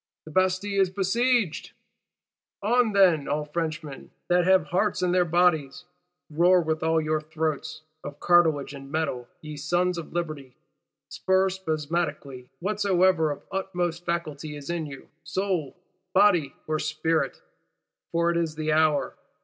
The Bastille is besieged! On, then, all Frenchmen that have hearts in their bodies! Roar with all your throats, of cartilage and metal, ye Sons of Liberty; stir spasmodically whatsoever of utmost faculty is in you, soul, body or spirit; for it is the hour!